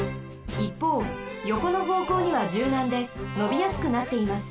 いっぽうよこのほうこうにはじゅうなんでのびやすくなっています。